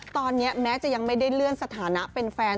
ตอนนี้แม้จะยังไม่ได้เลื่อนสถานะเป็นแฟน